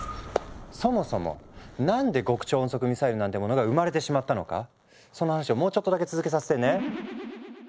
そもそもなんで極超音速ミサイルなんてものが生まれてしまったのかその話をもうちょっとだけ続けさせてね。